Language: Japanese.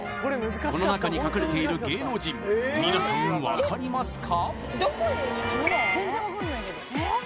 この中に隠れている芸能人皆さん分かりますか？